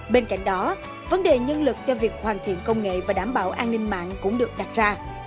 bên cạnh đó vấn đề nhân lực cho việc hoàn thiện công nghệ và đảm bảo an ninh mạng cũng được đặt ra